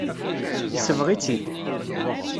Yesbeɣ-itt-id.